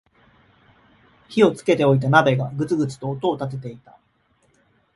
火をつけておいた鍋がグツグツと音を立てていた